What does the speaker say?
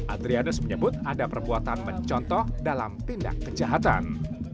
adrianus menyebut ada perbuatan mencontoh dalam tindak kejahatan